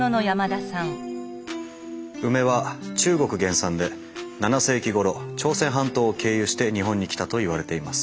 ウメは中国原産で７世紀ごろ朝鮮半島を経由して日本に来たといわれています。